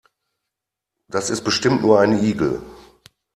Das ist bestimmt nur ein Igel.